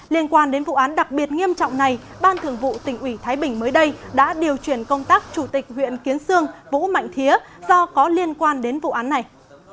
liên quan đến vụ án đặc biệt nghiêm trọng này ban thường vụ tỉnh ủy thái bình mới đây đã điều chuyển công tác chủ tịch huyện kiến sương vũ mạnh thía do có liên quan đến vụ án này